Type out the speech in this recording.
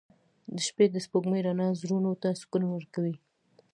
• د شپې د سپوږمۍ رڼا زړونو ته سکون ورکوي.